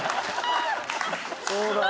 そうだ。